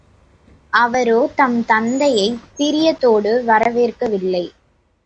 அவரோ, தம் தந்தையைப் பிரியத்தோடு வரவேற்கவில்லை.